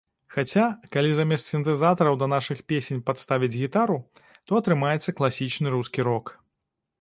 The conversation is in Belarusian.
Хаця, калі замест сінтэзатараў да нашых песень падставіць гітару, то атрымаецца класічны рускі рок.